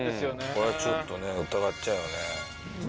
これはちょっとね疑っちゃうよね。